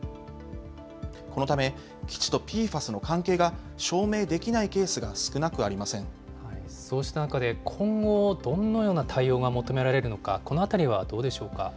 このため、基地とＰＦＡＳの関係が証明できないケースが少なくあそうした中で今後、どのような対応が求められるのか、このあたりはどうでしょうか。